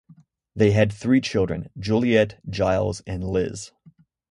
They had three children Juliet, Giles and Liz.